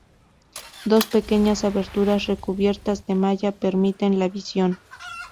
Dos pequeñas aberturas recubiertas de malla permiten la visión.